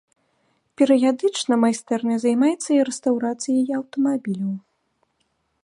Перыядычна майстэрня займаецца і рэстаўрацыяй аўтамабіляў.